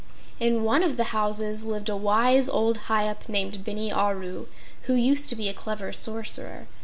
In one of the houses lived a wise old Hyup named Bini Aru, who used to be a clever Sorcerer.